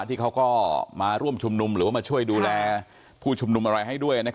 ที่เขาก็มาร่วมชุมนุมหรือว่ามาช่วยดูแลผู้ชุมนุมอะไรให้ด้วย